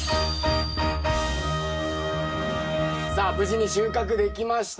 さあ無事に収穫できました。